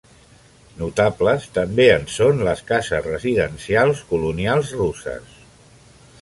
Notables també en són les cases residencials colonials russes.